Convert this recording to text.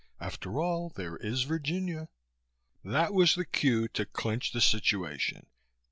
After all, there is Virginia." That was the cue to clinch the situation.